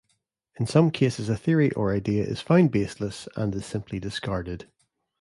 In some cases a theory or idea is found baseless and is simply discarded.